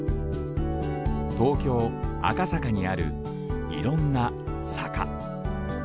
東京・赤坂にあるいろんな坂。